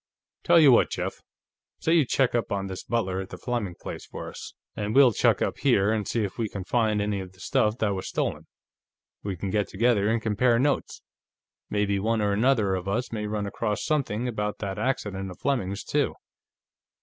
Tell you what, Jeff; say you check up on this butler at the Fleming place for us, and we'll check up here and see if we can find any of the stuff that was stolen. We can get together and compare notes. Maybe one or another of us may run across something about that accident of Fleming's, too."